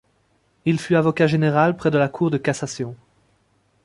Il fut avocat général près la Cour de Cassation.